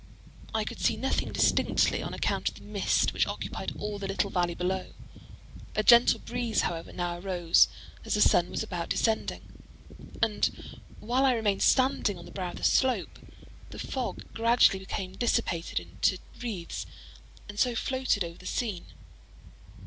I could see nothing distinctly on account of the mist which occupied all the little valley below. A gentle breeze, however, now arose, as the sun was about descending; and while I remained standing on the brow of the slope, the fog gradually became dissipated into wreaths, and so floated over the scene.